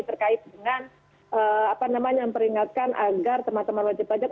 terkait dengan apa namanya memperingatkan agar teman teman wajib pajak